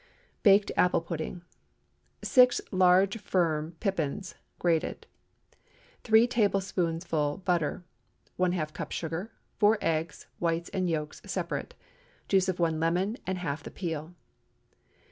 BAKED APPLE PUDDING. 6 large firm pippins (grated.) 3 tablespoonfuls butter. ½ cup sugar. 4 eggs—whites and yolks separate. Juice of one lemon, and half the peel.